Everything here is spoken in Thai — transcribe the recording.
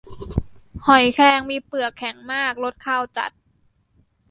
หอยแครง มีเปลือกแข็งมาก รสคาวจัด